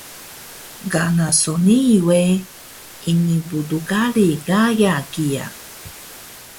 Kana so nii we ini pdkari gaya kiya